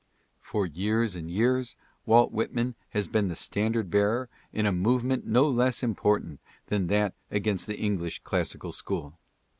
For years and years Walt Whitman has, been the standard bearer in a movement no less important than that against the English classical school.